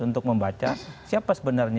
untuk membaca siapa sebenarnya